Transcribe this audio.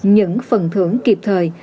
những phần thưởng kịp thời